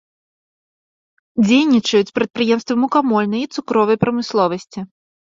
Дзейнічаюць прадпрыемствы мукамольнай і цукровай прамысловасці.